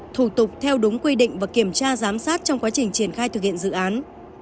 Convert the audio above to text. thủ tục theo đúng quy định và kiểm tra giám sát trong quá trình triển khai thực hiện dự án